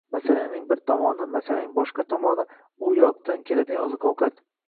masalaning bir tomoni, masalaning boshqa tomoni — u yoqdan keladigan oziq-ovqat